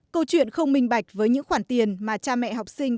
câu chuyện không minh bạch với những khoản tiền mà cha mẹ học sinh